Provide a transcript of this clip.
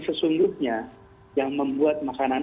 sesungguhnya yang membuat makanan